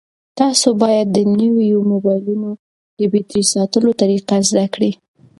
تاسو باید د نویو موبایلونو د بېټرۍ ساتلو طریقه زده کړئ.